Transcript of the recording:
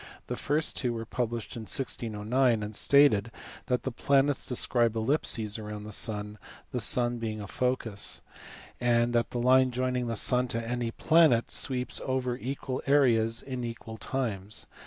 The first two were published in 1609, and stated that the planets describe ellipses round the sun, the sun being in a focus ; and that the line joining the sun to any planet sweeps over equal areas in equal times.